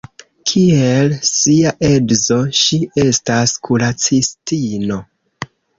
Kiel sia edzo, ŝi estas kuracistino.